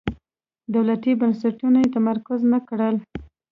دولتي بنسټونه یې متمرکز نه کړل.